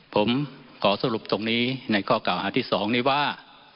ผมขอสรุปตรงนี้ในข้อกร่าวที่๒เป็นว่า